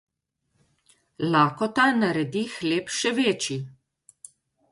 Lakota naredi hleb še večji.